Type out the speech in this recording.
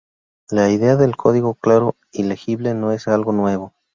La idea del código claro y legible no es algo nuevo.